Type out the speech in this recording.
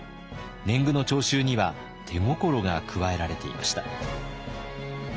年貢の徴収には手心が加えられていました。